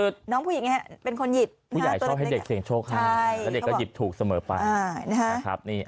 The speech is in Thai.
คือน้องผู้หญิงเป็นคนหยิบผู้ใหญ่ชอบให้เด็กเสียงโชคให้แล้วเด็กก็หยิบถูกเสมอไปนะครับ